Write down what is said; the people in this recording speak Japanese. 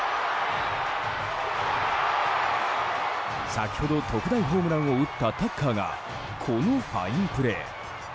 先ほど特大ホームランを打ったタッカーがこのファインプレー。